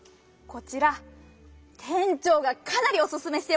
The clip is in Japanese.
こちらてんちょうがかなりおすすめしてます。